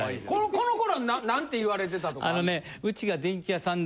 この頃は何て言われてたとかあんの？